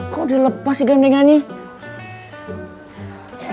kau udah lepas sih gandenganya